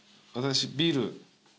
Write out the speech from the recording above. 私ビール。